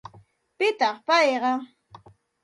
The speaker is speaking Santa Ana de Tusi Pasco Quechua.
¿Pitaq payqa?